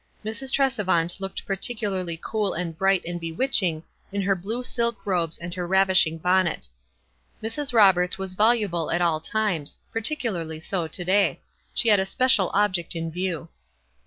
Mrs. Tresevant looked particularly cool and bright and bewitch ing in her blue silk robes and her ravishing: bon net. Mrs. Roberts was voluble at all times — particularly so to day. She had a special object in view.